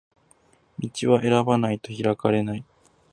道は選ばないと開かれない